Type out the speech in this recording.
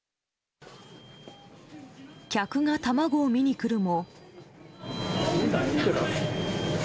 客が卵を見に来るも。